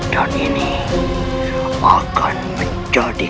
dan ini akan menjadi